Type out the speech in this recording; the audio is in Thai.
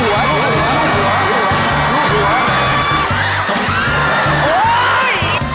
โอ๊ย